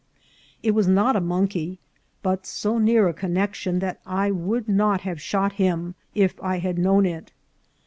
It was not a monkey, but so near a connexion that I would not have shot him if I had known it.